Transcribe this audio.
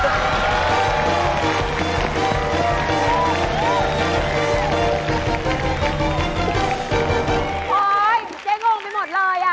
โอ๊ยเจ๊งงไปหมดเลย